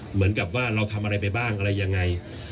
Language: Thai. เหมือนกับว่าเราทำอะไรไปบ้างอะไรยังไง